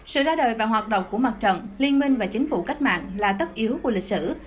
sự ra đời và hoạt động của mặt trận liên minh và chính phủ cách mạng là tất yếu của lịch sử